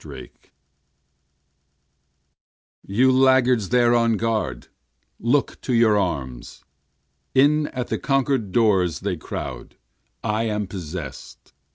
37 You laggards there on guard! look to your arms! In at the conquerâd doors they crowd! I am possessâd!